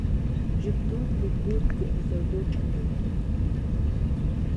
ژبدود ليکدود ګړدود اندود